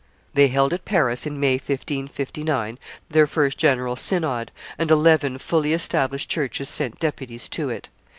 They held at Paris, in May, 1559, their first general synod; and eleven fully established churches sent deputies to it.